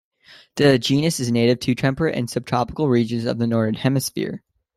The genus is native to temperate and subtropical regions of the Northern Hemisphere.